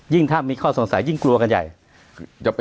ถ้ามีข้อสงสัยยิ่งกลัวกันใหญ่